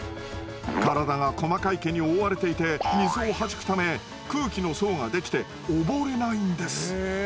体が細かい毛に覆われていて水をはじくため空気の層ができて溺れないんです。